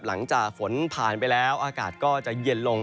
หลังจากฝนผ่านไปแล้วอากาศก็จะเย็นลง